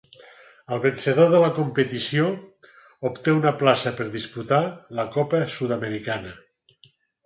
El vencedor de la competició obté una plaça per disputar la Copa Sud-americana.